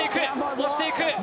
押していく。